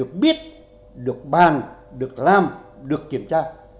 được biết được bàn được làm được kiểm tra